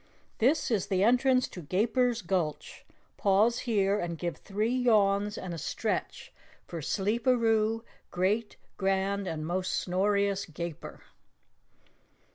"This is the entrance to Gaper's Gulch. Pause here and give three yawns and a stretch for Sleeperoo, Great, Grand and Most Snorious Gaper!"